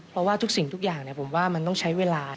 เพราะว่าทุกสิ่งทุกอย่างผมว่ามันต้องใช้เวลา